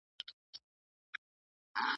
ټایرونه باید روغ وي.